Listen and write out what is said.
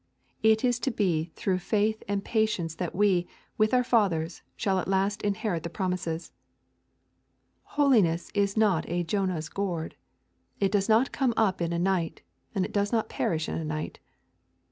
It is to be through faith and patience that we, with our fathers, shall at last inherit the promises. Holiness is not a Jonah's gourd. It does not come up in a night, and it does not perish in a night.